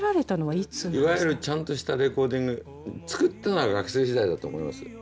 いわゆるちゃんとしたレコーディング作ったのは学生時代だと思います。